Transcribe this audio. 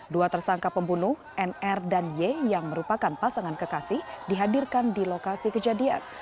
dua tersangka pembunuh nr dan y yang merupakan pasangan kekasih dihadirkan di lokasi kejadian